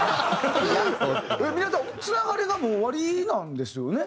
皆さんつながりがもうおありなんですよね？